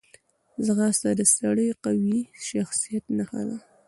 ځغاسته د سړي قوي شخصیت نښه ده